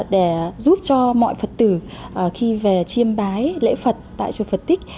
để giúp cho mọi phật tử khi về chiêm bái lễ phật tại chùa phật tích